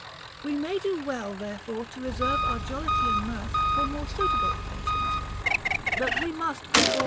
AYe may do well therefore to reserve our jollity and mirth for more suitable occasions, but we must by all * II.